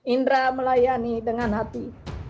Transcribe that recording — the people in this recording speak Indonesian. indra melayani dengan hati